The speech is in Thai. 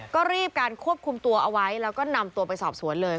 ก็รีบการควบคุมตัวเอาไว้แล้วก็นำตัวไปสอบสวนเลย